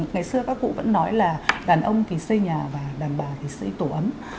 ngày xưa các cụ vẫn nói là đàn ông thì xây nhà và đàn bà thì xây tổ ấm